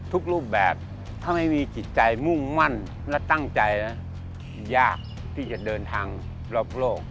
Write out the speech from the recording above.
ทุกรูปแบบถ้าไม่มีจิตใจมุ่งมั่นและตั้งใจนะยากที่จะเดินทางรอบโลก